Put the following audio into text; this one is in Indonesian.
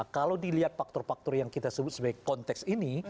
kalau dilihat faktor faktor yang kita sebut sebagai konteks ini